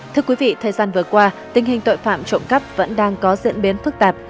thưa quý vị thời gian vừa qua tình hình tội phạm trộm cắp vẫn đang có diễn biến phức tạp